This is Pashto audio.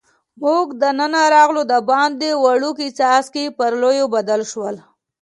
موږ دننه راغلو، دباندې وړوکي څاڅکي پر لویو بدل شول.